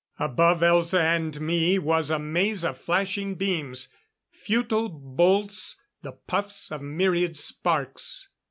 Above Elza and me was a maze of flashing beams; futile bolts; the puffs of myriad sparks.